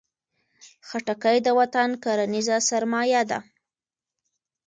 خټکی د وطن کرنیزه سرمایه ده.